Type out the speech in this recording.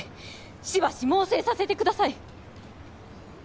しばし猛省させてください！